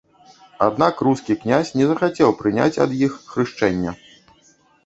Аднак рускі князь не захацеў прыняць ад іх хрышчэння.